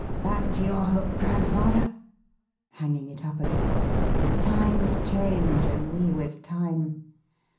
Back to your hook, grandfather" hanging it up again "times change and we with time.